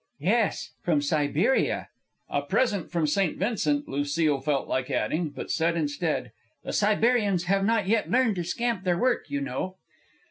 "Yes, from Siberia." A present from St. Vincent, Lucile felt like adding, but said instead, "The Siberians have not yet learned to scamp their work, you know."